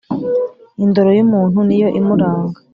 indoro y’umuntu ni yo imuranga,